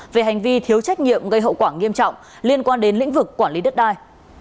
về hành vi thiếu trách nhiệm gây hậu quả nghiêm trọng liên quan đến lĩnh vực quản lý đất đai